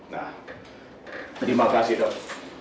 nah terima kasih dok